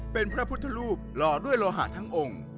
เป็นพระพุทธรูปหล่อด้วยโลหะทั้งองค์